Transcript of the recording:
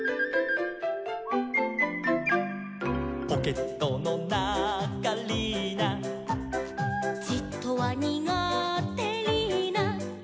「ポケットのなかリーナ」「じっとはにがてリーナ」